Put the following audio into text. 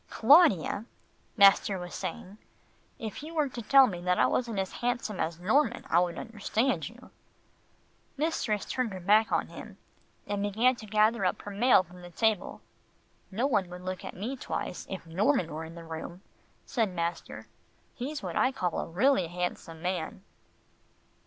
"Claudia," master was saying, "if you were to tell me that I wasn't as handsome as Norman, I would understand you." Mistress turned her back on him, and began to gather up her mail from the table. "No one would look at me twice, if Norman were in the room," said master. "He's what I call a really handsome man."